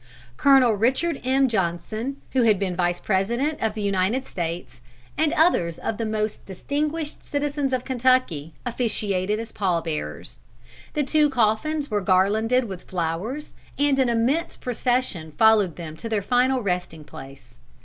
Colonel Richard M. Johnson, who had been Vice President of the United States, and others of the most distinguished citizens of Kentucky, officiated as pall bearers. The two coffins were garlanded with flowers, and an immense procession followed them to their final resting place.